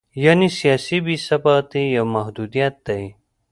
یعنې سیاسي بې ثباتي یو محدودیت دی.